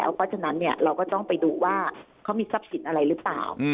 เพราะฉะนั้นเราก็ต้องไปดูว่าเขามีทรัพย์สินอะไรหรือเปล่า